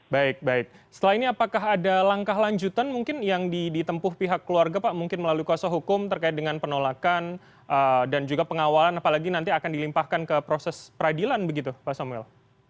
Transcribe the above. baik baik setelah ini apakah ada langkah lanjutan mungkin yang ditempuh pihak keluarga pak mungkin melalui kuasa hukum terkait dengan penolakan dan juga pengawalan apalagi nanti akan dilimpahkan ke proses peradilan begitu pak samuel